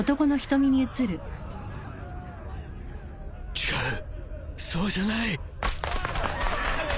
違うそうじゃない。